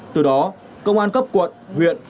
từ đó công an cấp quận huyện